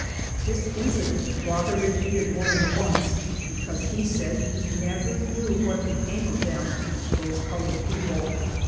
"This incident father repeated more than once, because he said he never knew what became of them ŌĆö ^those colored people.